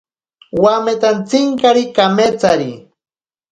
Wametantsinkari kametsari.